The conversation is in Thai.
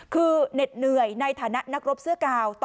คือเหน็ดเหนื่อยในฐานะนักรบเสื้อกาว